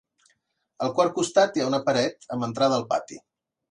Al quart costat hi ha una paret amb entrada al pati.